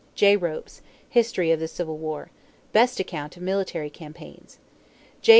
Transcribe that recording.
J. Ropes, History of the Civil War (best account of military campaigns). J.